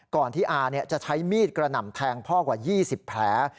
ก่อนที่อาจะใช้มีดกระหน่ำแทงพ่อกว่า๒๐แผล